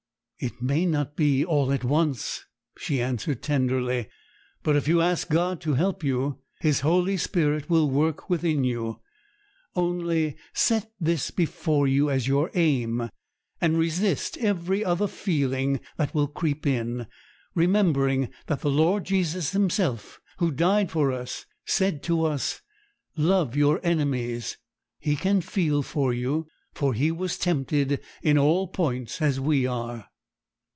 'It may not be all at once,' she answered tenderly; 'but if you ask God to help you, His Holy Spirit will work within you. Only set this before you as your aim, and resist every other feeling that will creep in; remembering that the Lord Jesus Himself, who died for us, said to us, "Love your enemies." He can feel for you, for "He was tempted in all points as we are."'